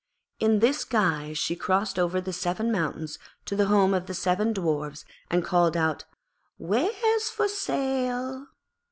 In this guise she crossed over the seven mountains to the home of the seven Dwarfs and called out, 'Wares for sale.'